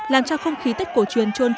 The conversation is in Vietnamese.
làm cho không khí tết cổ truyền trông đẹp